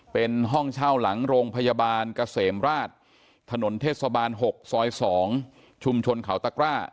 เป็นห้องเช่าหลังโรงพยาบาลเกษมราชถนนเทศบาล๖ซอย๒ชุมชนเขาตะกร้า